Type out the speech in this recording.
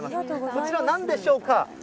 こちら、なんでしょうか。